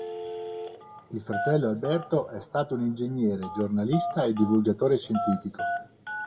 Il fratello Alberto è stato un ingegnere, giornalista e divulgatore scientifico.